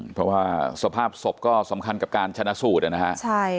เพราะว่าสภาพศพก็สำคัญกับการชนะสูตรนะฮะ